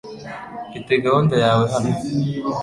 Mfite gahunda yawe hano .